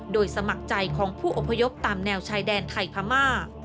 โดยสมัครใจของผู้อพยพตามแนวชายแดนไทยพม่า